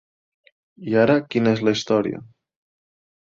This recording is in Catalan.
I ara quina és la història?